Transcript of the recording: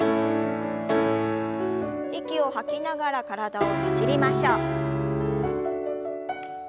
息を吐きながら体をねじりましょう。